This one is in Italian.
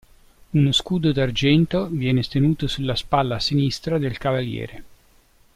Uno scudo d'argento viene tenuto sulla spalla sinistra del cavaliere.